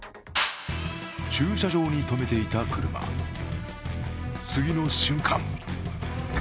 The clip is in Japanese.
駐車場に止めていた車、次の瞬間